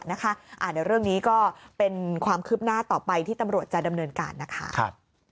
เดี๋ยวเรื่องนี้ก็เป็นความคืบหน้าต่อไปที่ตำรวจจะดำเนินการนะคะ